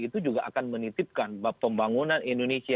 itu juga akan menitipkan bab pembangunan indonesia